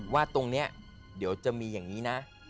ว่าตรงนี้เดี๋ยวจะมีอย่างนี้นะ